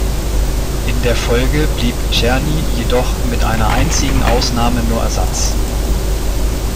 In der Folge blieb Černý jedoch mit einer einzigen Ausnahme nur Ersatz.